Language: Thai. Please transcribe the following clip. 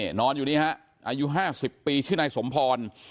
นอนอยู่นี่ฮะอายุ๕๐ปีชื่อนายสมพร